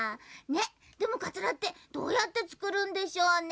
でもかつらってどうやってつくるんでしょうね？